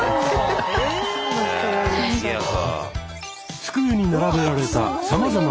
机に並べられたさまざまな料理。